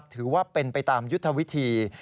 ถือว่าเป็นไปตามยุทธวิธี